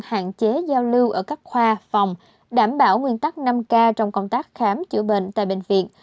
hạn chế giao lưu ở các khoa phòng đảm bảo nguyên tắc năm k trong công tác khám chữa bệnh tại bệnh viện